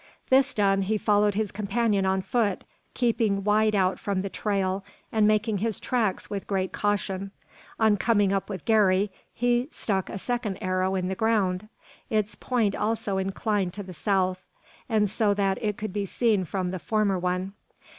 This done, he followed his companion on foot, keeping wide out from the trail, and making his tracks with great caution. On coming up with Garey, he stuck a second arrow in the ground: its point also inclined to the south, and so that it could be seen from the former one.